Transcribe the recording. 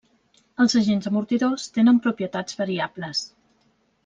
Els agents amortidors tenen propietats variables.